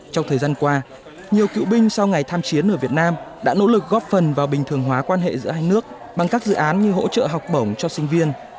trong thời gian qua nhiều cựu binh sau ngày tham chiến ở việt nam đã nỗ lực góp phần vào bình thường hóa quan hệ giữa hai nước bằng các dự án như hỗ trợ học bổng cho sinh viên